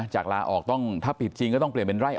ลาออกต้องถ้าผิดจริงก็ต้องเปลี่ยนเป็นไร่